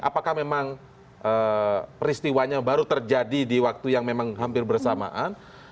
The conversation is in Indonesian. apakah memang peristiwanya baru terjadi di waktu yang memang hampir bersamaan